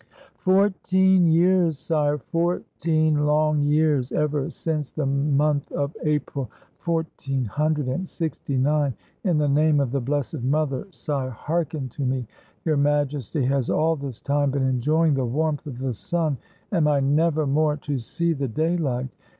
" Fourteen years, sire! fourteen long years! ever since the month of April, 1469. In the name of the Blessed Mother, sire, hearken to me. Your Majesty has all this time been enjoying the warmth of the s\m. Am I never more to see the daylight?